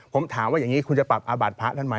ผมถามว่าอย่างนี้คุณจะปรับอาบาทภาพได้ไหม